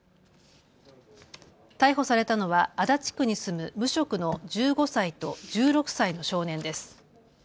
逮捕されたのは足立区に住む無職の１５歳と１６歳の少年です。